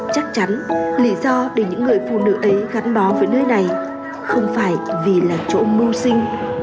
chắc chắn lý do để những người phụ nữ ấy gắn bó với nơi này không phải vì là chỗ mưu sinh